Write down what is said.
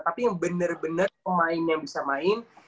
tapi yang bener bener pemain yang bisa main